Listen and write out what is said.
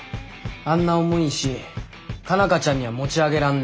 あんな重い石佳奈花ちゃんには持ち上げらんねえ。